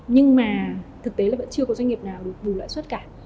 nhưng mà thực tế là vẫn chưa có doanh nghiệp nào được bù lãi suất cả